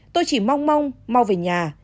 tôi chỉ mong mong mau về nhà